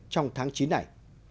trong tháng chín này